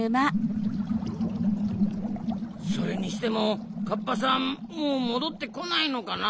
それにしてもカッパさんもうもどってこないのかな？